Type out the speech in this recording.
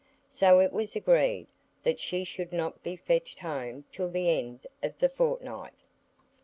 So it was agreed that she should not be fetched home till the end of the fortnight.